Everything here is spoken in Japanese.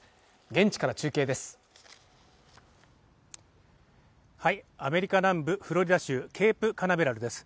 現地から中継です